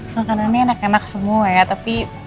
makanan ini enak enak semua ya tapi